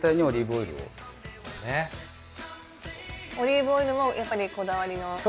オリーブオイルもやっぱりこだわりの。